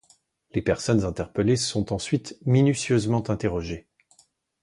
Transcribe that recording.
Les personnes interpellées sont ensuite minutieusement interrogées.